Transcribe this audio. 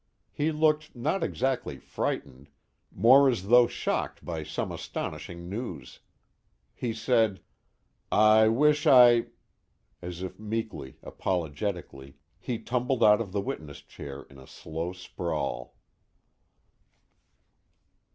He looked not exactly frightened, more as though shocked by some astonishing news. He said: "I wish I " As if meekly, apologetically, he tumbled out of the witness chair in a slow sprawl.